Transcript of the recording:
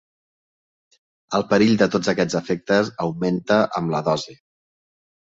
El perill de tots aquests efectes augmenta amb la dosi.